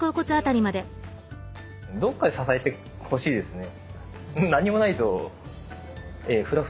どっかで支えてほしいですね。